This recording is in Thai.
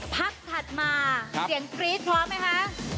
ถัดมาเสียงกรี๊ดพร้อมไหมคะ